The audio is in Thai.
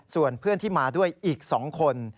ส่วนเพื่อนที่มาด้วยอีก๒คน